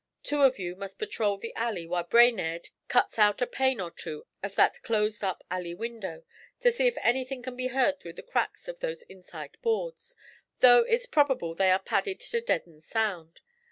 Two of you must patrol the alley while Brainerd cuts out a pane or two of that closed up alley window, to see if anything can be heard through the cracks of those inside boards, though it's probable they are padded to deaden sound.